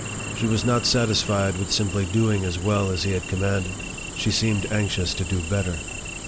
She was not satisfied with simply doing as well as he had commanded ; she seemed anxious to do better.